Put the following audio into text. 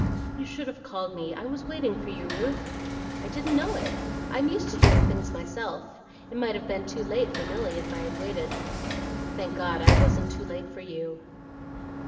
"You should have called me; I was waiting for you, Ruth." "I didn't know it. I'm used to doing things myself. It might have been too late for Milly if I'd waited." "Thank God, I wasn't too late for you."